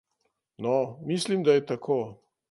No, mislim, da je tako.